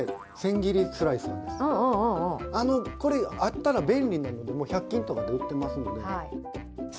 これあったら便利なので、１００均とかで売ってますので。